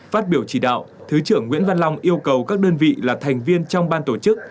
phát biểu chỉ đạo thứ trưởng nguyễn văn long yêu cầu các đơn vị là thành viên trong ban tổ chức